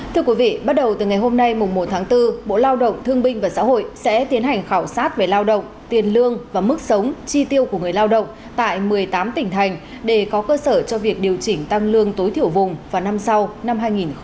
thưa quý vị bắt đầu từ ngày hôm nay một tháng bốn bộ lao động thương binh và xã hội sẽ tiến hành khảo sát về lao động tiền lương và mức sống chi tiêu của người lao động tại một mươi tám tỉnh thành để có cơ sở cho việc điều chỉnh tăng lương tối thiểu vùng vào năm sau năm hai nghìn hai mươi